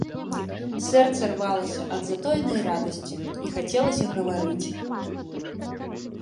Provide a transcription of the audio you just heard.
Сэрца рвалася ад затоенай радасці, і хацелася гаварыць.